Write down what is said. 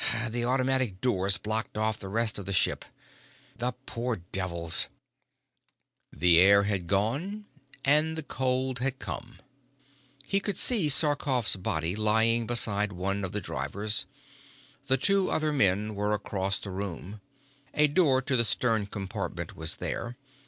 The automatic doors blocked off the rest of the ship. The poor devils " The air had gone and the cold had come. He could see Sarkoff's body lying beside one of the drivers. The two other men were across the room. A door to the stern compartment was there.